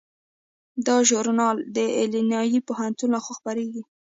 دا ژورنال د ایلینای پوهنتون لخوا خپریږي.